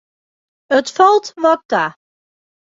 It falt wat ta.